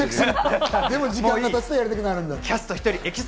でも時間が経つと言いたくなるんだ。